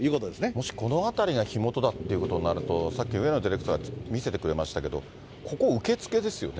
もしこの辺りが火元だっていうことになると、さっき上野ディレクターが見せてくれましたけども、ここ、受付ですよね。